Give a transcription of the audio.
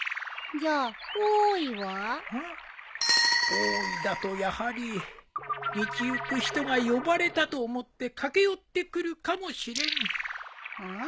「おい！」だとやはり道行く人が呼ばれたと思って駆け寄ってくるかもしれんん？